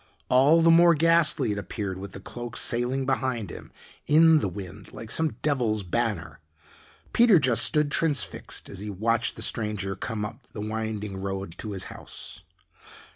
All the more ghostly it appeared with the cloak sailing behind him in the wind like some devil's banner. Peter just stood transfixed as he watched the stranger come up the winding road to his house.